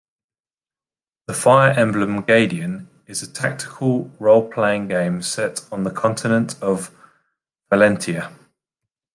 "Fire Emblem Gaiden" is a tactical role-playing game set on the continent of Valentia.